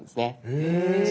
へえ！